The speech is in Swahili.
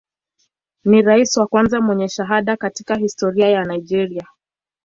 Ni rais wa kwanza mwenye shahada katika historia ya Nigeria.